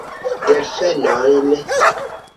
Delfenojn!